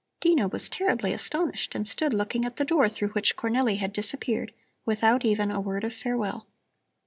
Dino was terribly astonished and stood looking at the door through which Cornelli had disappeared without even a word of farewell.